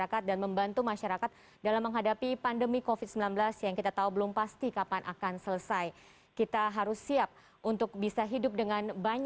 kesehatan ini demikian